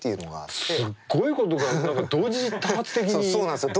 すっごいことが何か同時多発的に起きた。